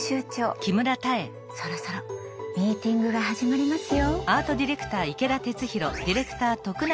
そろそろミーティングが始まりますよ。